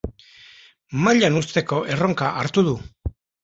Mailan uzteko erronka hartu du.